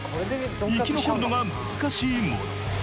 生き残るのが難しいモード。